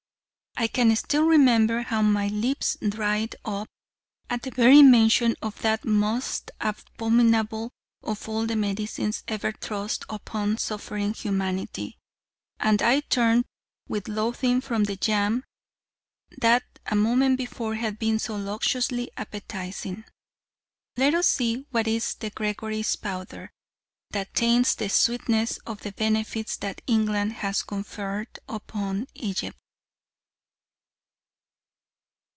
I can still remember how my lips dried up at the very mention of that most abominable of all the medicines ever thrust upon suffering humanity, and I turned with loathing from the jam that a moment before had been so lusciously appetising. Let us see what is the Gregory's Powder that taints the sweetness of the benefits that England has conferred upon Egypt.